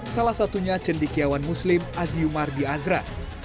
salah satunya cendikiawan muslim aziumar diyazra